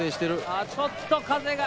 ああちょっと風が。